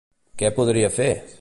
Què podria fer?